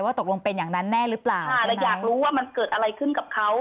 ตกลงเป็นอย่างนั้นแน่หรือเปล่าค่ะเราอยากรู้ว่ามันเกิดอะไรขึ้นกับเขา